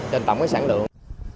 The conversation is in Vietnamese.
trên tổng sản lượng